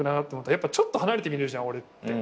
ちょっと離れて見れるじゃん俺って。